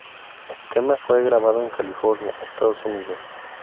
El tema fue grabado en California, Estados Unidos.